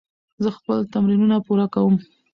زه خپل تمرینونه پوره کوم.